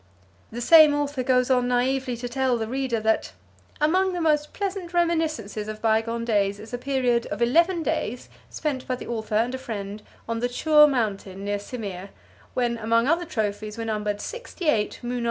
The same author goes on naively to tell the reader that "Among the most pleasant reminiscences of bygone days is a period of eleven days, spent by the author and a friend on the Choor Mountain near Simia, when among other trophies were numbered sixty eight moonal pheasants, etc."